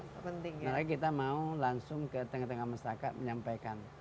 karena kita mau langsung ke tengah tengah masyarakat menyampaikan